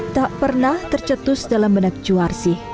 tak pernah tercetus dalam benak juarsi